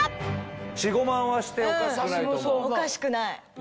４５万はしておかしくないと思う。